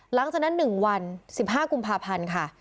หลังจากนั้น๑วัน๑๕กุมภาพันธ์ค่ะ